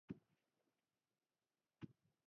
va hozirgi manzaramizdan tubdan farq qiluvchi manzarani